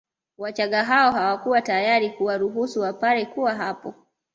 Wachaga hao hawakuwa tayari kuwaruhusu Wapare kuwa hapo